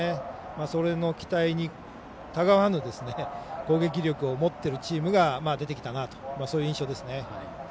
それの期待にたがわぬ攻撃力を持っているチームが出てきたなとそういう印象ですね。